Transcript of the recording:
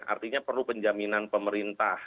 artinya perlu penjaminan pemerintah